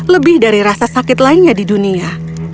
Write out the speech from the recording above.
lebih dari rasa sakit lainnya di dunia